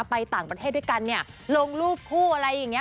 ไปต่างประเทศด้วยกันเนี่ย